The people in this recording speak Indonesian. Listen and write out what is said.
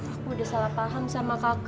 aku udah salah paham sama kakakku